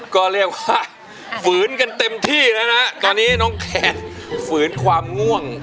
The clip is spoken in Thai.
ก็เรียกว่าฝืนกันเต็มที่แล้วนะตอนนี้น้องแขกฝืนความง่วง